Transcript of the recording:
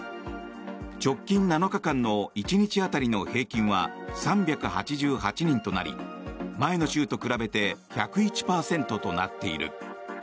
直近７日間の１日当たりの平均は３８８人となり前の週と比べて１０１％となっている。